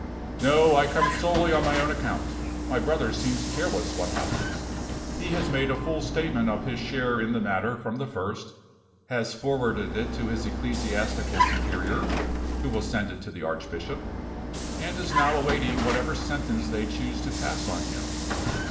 "No; I come solely on my own account. My brother seems careless what happens. He has made a full statement of his share in the matter from the first; has forwarded it to his ecclesiastical superior (who will send it to the archbishop), and is now awaiting whatever sentence they choose to pass on him.